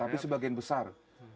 tapi sebagian besar